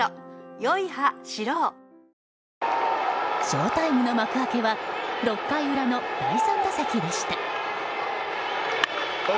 ショウタイムの幕開けは６回裏の第３打席でした。